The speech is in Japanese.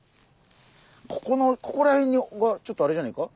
ここのここら辺にちょっとあれじゃないか？